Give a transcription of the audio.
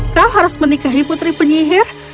kau harus menikahi putri penyihir